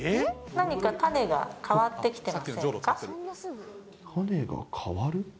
何か種が変わってきてません種が変わる？